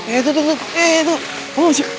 eh tuh tuh